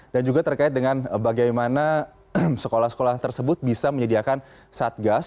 dan juga terkait dengan bagaimana sekolah sekolah tersebut bisa menyediakan satgas